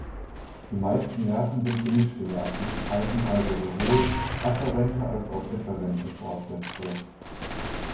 Die meisten Nerven sind "gemischte Nerven", enthalten also sowohl afferente als auch efferente Fortsätze.